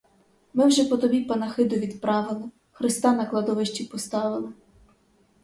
Ми вже по тобі панахиду відправили, хреста на кладовищі поставили.